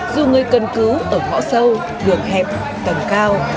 dù người cần cứu ở võ sâu gường hẹp tầng cao